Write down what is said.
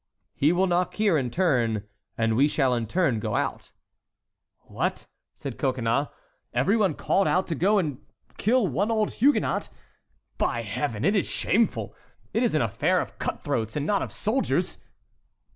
"He will knock here in turn, and we shall in turn go out." "What," said Coconnas, "every one called out to go and kill one old Huguenot? By Heaven! it is shameful! It is an affair of cut throats, and not of soldiers."